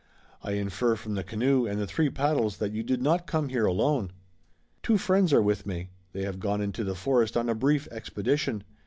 I infer from the canoe and the three paddles that you did not come here alone." "Two friends are with me. They have gone into the forest on a brief expedition.